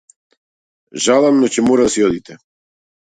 Жалам но ќе мора да си одите.